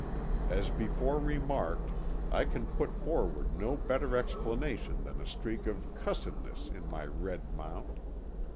As before remarked, I can put forward no better explanation than a streak of "cussedness" in my red mount.